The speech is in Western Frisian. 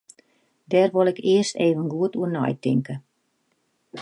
Dêr wol ik earst even goed oer neitinke.